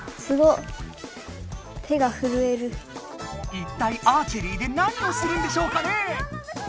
一体アーチェリーで何をするんでしょうかね。